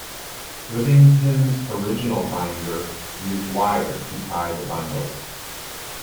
Withington's original binder used wire to tie the bundles.